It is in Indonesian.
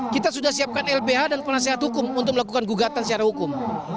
kita sudah siapkan lbh dan penasehat hukum untuk melakukan gugatan secara hukum